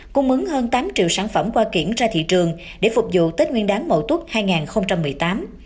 cung ứng hơn tám triệu sản phẩm hoa kiển ra thị trường để phục vụ tết nguyên đán mậu tốt hai nghìn một mươi tám